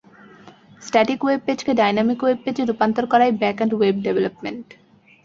Static web পেজকে dynamic web পেজে রূপান্তর করাই ব্যাক এন্ড ওয়েব ডেভেলপমেন্ট।